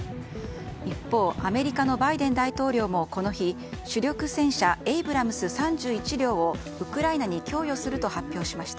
一方アメリカのバイデン大統領もこの日主力戦車エイブラムス３１両をウクライナに供与すると発表しました。